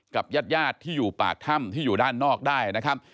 กับญาติญาติที่อยู่ปากถ้ำที่อยู่ด้านนอกได้นะครับ